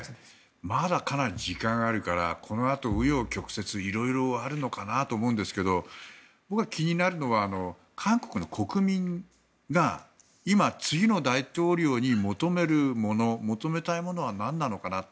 まだかなり時間があるからこのあと紆余曲折色々あるのかなと思うんですが僕が気になるのは韓国の国民が今、次の大統領に求めるもの求めたいものはなんなのかなって。